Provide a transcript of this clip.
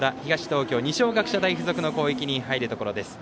東京、二松学舎大付属の攻撃に入るところです。